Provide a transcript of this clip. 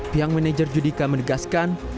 pihak manajer judika menegaskan